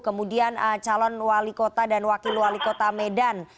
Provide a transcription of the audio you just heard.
kemudian calon wali kota dan wakil wali kota medan